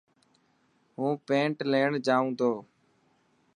هون پينٽ ليڻ جائو تو.